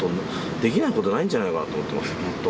できないことないんじゃないかなと思ってます、本当。